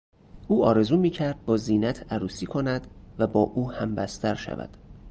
او آرزو میکرد با زینت عروسی کند و با او همبستر شود.